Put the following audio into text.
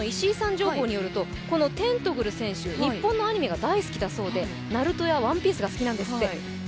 情報によりますと、このテントグル選手、日本のアニメが大好きだそうで「ＮＡＲＵＴＯ」や「ＯＮＥＰＩＥＣＥ」が好きなんだそうです